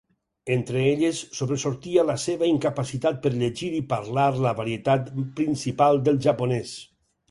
Entre elles, sobresortia la seva incapacitat per llegir i parlar la varietat principal del japonès.